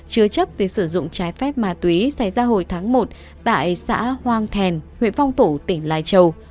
chứa chấp việc sử dụng trái phép ma túy xảy ra hồi tháng một tại xã hoang thèn huyện phong thổ tỉnh lai châu